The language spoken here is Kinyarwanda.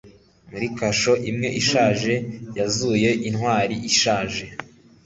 muri kasho imwe ishaje, yuzuye intwari ishaje